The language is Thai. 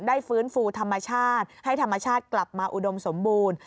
ฟื้นฟูธรรมชาติให้ธรรมชาติกลับมาอุดมสมบูรณ์